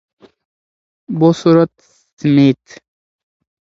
بوسورت سمیت :